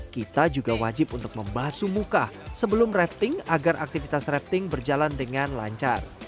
kita juga wajib untuk membasu muka sebelum rafting agar aktivitas rafting berjalan dengan lancar